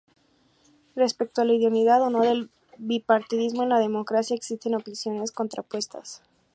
Respecto a la idoneidad o no del bipartidismo en la democracia, existen opiniones contrapuestas.